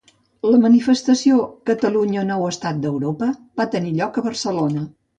La manifestació Catalunya nou estat d'Europa va tenir lloc a Barcelona